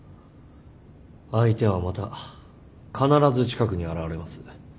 相手はまた必ず近くに現れます。